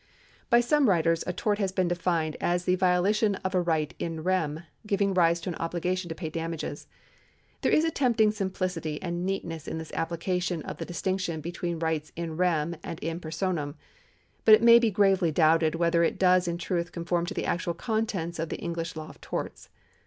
By some writers a tort has been defined as the violation of a right in rem, giving rise to an obligation to pay damages. There is a tempting simi^licity and neatness in this application of the distinction between rights in rem and in personam, but it may be gravely doubted whether it does in truth conform to the actual contents of the English law of torts.